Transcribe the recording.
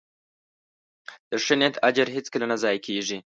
د ښه نیت اجر هیڅکله نه ضایع کېږي.